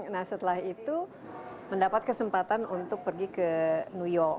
nah setelah itu mendapat kesempatan untuk pergi ke new york